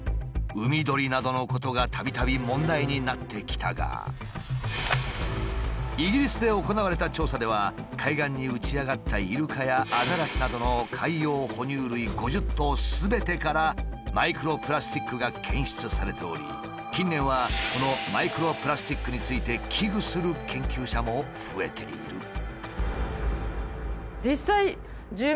海鳥などのことがたびたび問題になってきたがイギリスで行われた調査では海岸に打ち上がったイルカやアザラシなどの海洋哺乳類５０頭すべてからマイクロプラスチックが検出されており近年はこのマイクロプラスチックについて危惧する研究者も増えている。